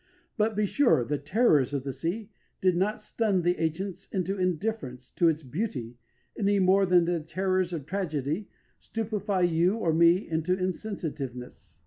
But be sure the terrors of the sea did not stun the ancients into indifference to its beauty any more than the terrors of tragedy stupefy you or me into insensitiveness.